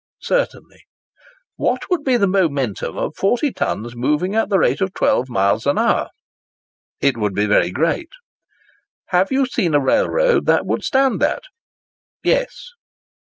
"Certainly."—"What would be the momentum of 40 tons moving at the rate of 12 miles an hour?" "It would be very great."—"Have you seen a railroad that would stand that?" "Yes."